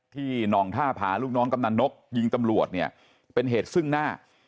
หน่องท่าผาลูกน้องกำนันนกยิงตำรวจเนี่ยเป็นเหตุซึ่งหน้า